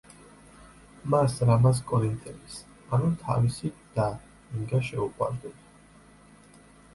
მას რამაზ კორინთელის, ანუ თავისი და ინგა შეუყვარდება.